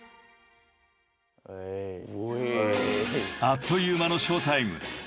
［あっという間のショータイム］